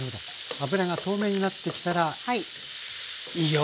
油が透明になってきたらいいよ！